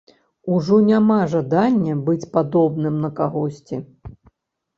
Ужо няма жадання быць падобным на кагосьці.